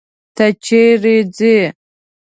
ته چيري ځې.